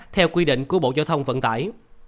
theo quy định của bộ giao thông vận tải